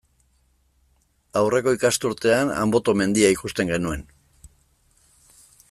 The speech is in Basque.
Aurreko ikasturtean Anboto mendia ikusten genuen.